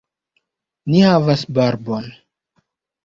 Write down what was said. Ni havas barbon.